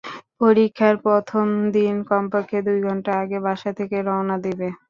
পরীক্ষার প্রথম দিন কমপক্ষে দুই ঘণ্টা আগে বাসা থেকে রওনা দেবে।